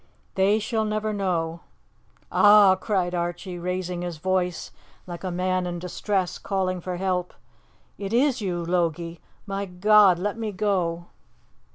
They shall never know. Ah!" cried Archie, raising his voice like a man in distress calling for help, "it is you, Logie! ... My God, let me go!"